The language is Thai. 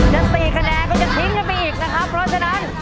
ถ้า๔คะแนนก็จะทิ้งกันไปอีกนะครับเพราะฉะนั้น